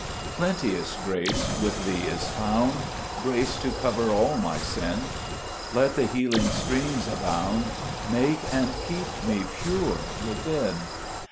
5 Plenteous grace with Thee is found, Grace to cover all my sin ; Let the healing streams abound ; Make and keep me pure within.